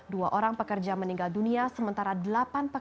dua orang pekerja meninggal dunia sementara delapan pekerja